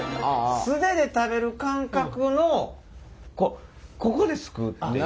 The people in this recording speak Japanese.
素手で食べる感覚のこうここですくうっていう。